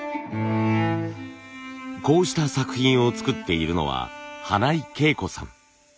こうした作品を作っているのは花井慶子さん。